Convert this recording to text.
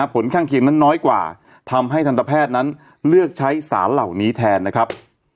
ผลข้างเคียงนั้นน้อยกว่าทำให้ทันตแพทย์นั้นเลือกใช้สารเหล่านี้แทนนะครับ